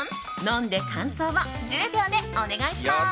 飲んで感想を１０秒でお願いします！